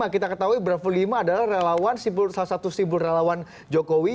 kita ketahui bravo lima adalah relawan salah satu simpul relawan jokowi